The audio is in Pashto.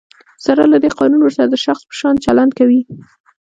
سره له دی، قانون ورسره د شخص په شان چلند کوي.